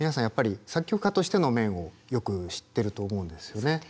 やっぱり作曲家としての面をよく知ってると思うんですよね。